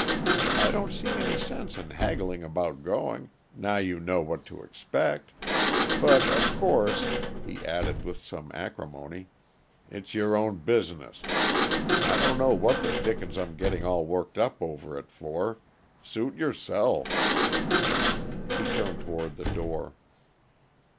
I don't see any sense in haggling about going, now you know what to expect. But, of course," he added, with some acrimony, "it's your own business. I don't know what the dickens I'm getting all worked up over it for. Suit yourself." He turned toward the door.